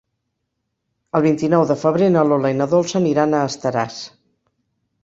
El vint-i-nou de febrer na Lola i na Dolça aniran a Estaràs.